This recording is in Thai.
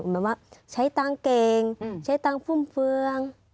แบบว่าใช้ตังค์เก่งใช้ตังค์ฟุ่มเฟือง